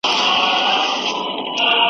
د خنجر عکس به يوسي .